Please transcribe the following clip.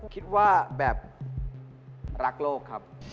คิดว่าแบบรักโลกครับ